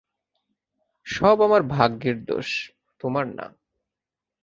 সব আমার ভাগ্যের দোষ, তোমার না।